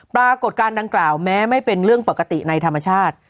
ปรากฏการณ์ดังกล่าวแม้ไม่เป็นเรื่องปกติในธรรมชาติ